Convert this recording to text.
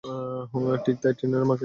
ঠিক তাই, Trina Marquez.